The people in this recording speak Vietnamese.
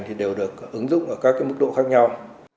thì đều được ứng dụng ở các mức độ khác nhau